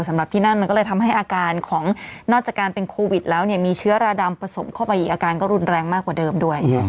สำหรับที่นั่นมันก็เลยทำให้อาการของนอกจากการเป็นโควิดแล้วมีเชื้อราดำผสมเข้าไปอีกอาการก็รุนแรงมากกว่าเดิมด้วย